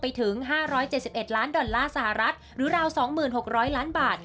ไปถึง๕๗๑ล้านดอลลาร์สหรัฐหรือราว๒๖๐๐ล้านบาท